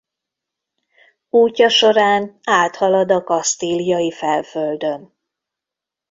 Útja során áthalad a kasztíliai felföldön.